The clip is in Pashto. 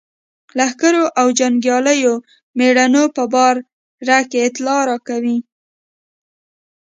لښکرو او جنګیالیو مېړنو په باره کې اطلاع راکوي.